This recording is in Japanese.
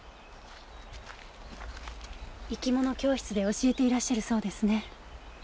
生き物教室で教えていらっしゃるそうですね。